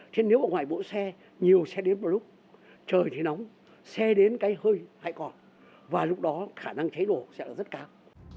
chứ nếu ở ngoài bộ xe nhiều xe đến một lúc trời thì nóng xe đến cái hơi hay còn và lúc đó khả năng cháy nổ sẽ rất cao